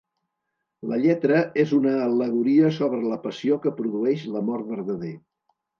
La lletra és una al·legoria sobre la passió que produeix l'amor verdader.